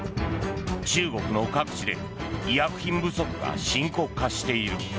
中国の各地で医薬品不足が深刻化している。